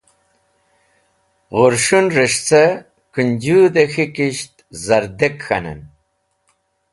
Ghors̃hũn’res̃h cẽ Kũnjũdh-e K̃hikisht zardek k̃hanen.